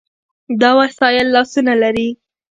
دا وسایل لاسونه لري.